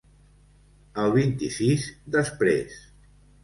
El vint-i-sis després.